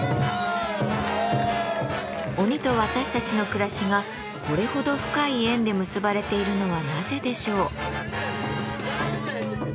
鬼と私たちの暮らしがこれほど深い縁で結ばれているのはなぜでしょう。